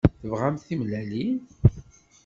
Tebɣamt timellalin?